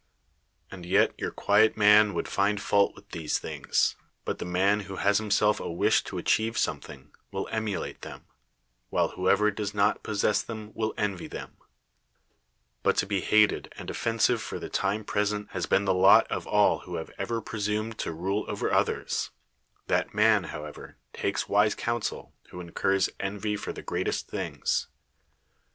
And yet your quiet man would find fault with these things; but the 32 PERICLES man who has himself a wish to achieve some thing, will emulate them ; while whoever does not possess them will envy them. But to be hated and offensive for the tim.e present has been the lot of all who have ever presumed to rule over others; that man, how ever, takes wise counsel, who incurs envy for the greatest things.